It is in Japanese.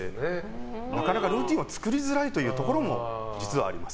なかなかルーティンを作りづらいというところも実はあります。